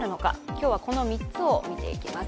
今日はこの３つを見ていきます。